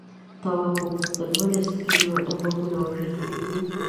تواب وپوښتل ولې سپین غوږونه وژل کیږي.